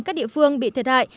các địa phương bị thiệt hại